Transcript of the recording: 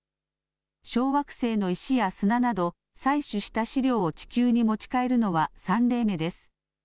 小惑星の石や砂など採取した試料を地球に持ち帰るのは３例目です。